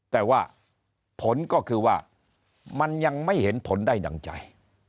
แต่ว่าผลก็คือว่ามันยังไม่เห็นผลได้ดั่งใจ